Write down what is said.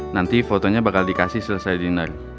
nanti fotonya bakal dikasih selesai dinner